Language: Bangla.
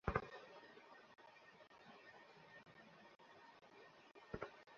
খোদার নাম নিচ্ছ কেন?